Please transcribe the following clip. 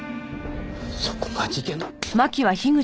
そこが事件の。